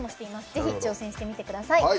ぜひ、挑戦してみてください。